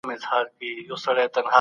هر مامور د خپل کار په وخت تمرکز وکړي.